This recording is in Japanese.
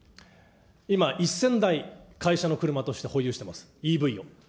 今、１０００台、会社の車として保有してます、ＥＶを。